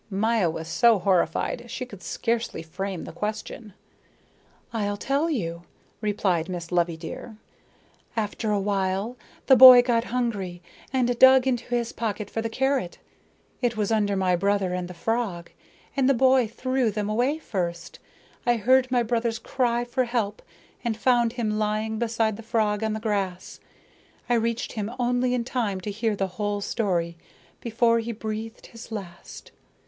Maya was so horrified she could scarcely frame the question. "I'll tell you," replied Miss Loveydear. "After a while the boy got hungry and dug into his pocket for the carrot. It was under my brother and the frog, and the boy threw them away first. I heard my brother's cry for help, and found him lying beside the frog on the grass. I reached him only in time to hear the whole story before he breathed his last.